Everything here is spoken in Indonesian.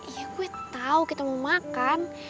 ya gue tau kita mau makan